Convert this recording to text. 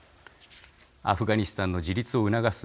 アフガニスタンの自立を促す